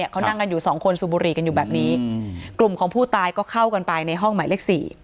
เขานั่งกันอยู่สองคนสูบบุหรี่กันอยู่แบบนี้กลุ่มของผู้ตายก็เข้ากันไปในห้องหมายเลข๔